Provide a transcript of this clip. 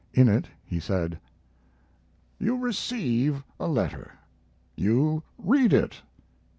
In it he said: ... You receive a letter. You read it.